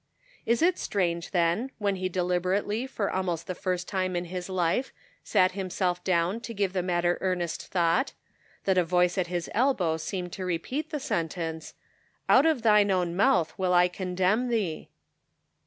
Is it strange, then, when he deliberately for almost the first time in his life sat himself down to give the matter earnest thought, that a voice at his elbow seemed to repeat the sentence: "Out of thine own mouth will I condemn thee?"